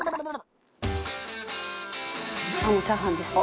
もうチャーハンですね。